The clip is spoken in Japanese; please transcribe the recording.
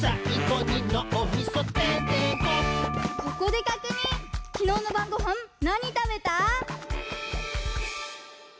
ここでかくにん！